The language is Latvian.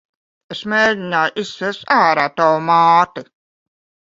Es mēgināju izsviest ārā tavu māti.